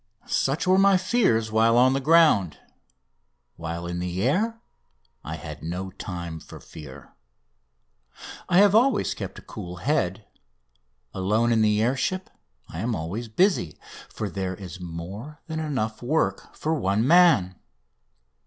Such were my fears while on the ground; while in the air I had no time for fear. I have always kept a cool head. Alone in the air ship I am always busy, for there is more than enough work for one man.